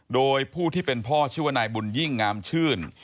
โดยผู้ที่เป็นพ่อชื่อว่านายบุญยิ่งงามชื่น